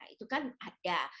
itu kan ada